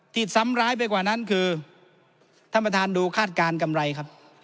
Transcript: ซ้ำร้ายไปกว่านั้นคือท่านประธานดูคาดการณ์กำไรครับ